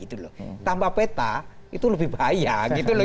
tanpa peta itu lebih bahaya gitu loh